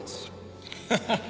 ハハハ。